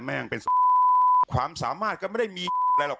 มันเป็นความสามารถก็ไม่ได้มีอะไรหรอก